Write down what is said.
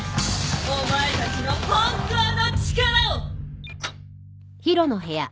お前たちの本当の力を！